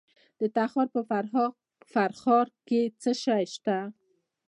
د تخار په فرخار کې څه شی شته؟